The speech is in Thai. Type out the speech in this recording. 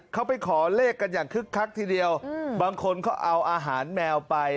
เขาไปขอเลขกันอย่างคึกคักทีเดียวบางคนเขาเอาอาหารแมวไป